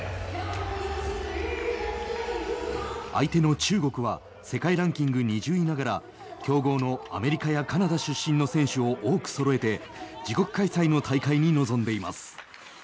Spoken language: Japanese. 相手の中国は世界ランキング２０位ながら強豪のアメリカやカナダ出身の選手を多くそろえて自国開催の大会に臨んでいます。